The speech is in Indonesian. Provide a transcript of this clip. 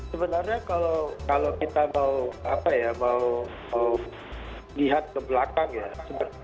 sebenarnya kalau kita mau apa ya mau lihat ke belakang ya